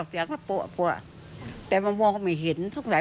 เสียงดำโป๊นนี่คือ